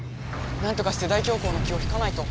なんとかして大凶光の気を引かないと！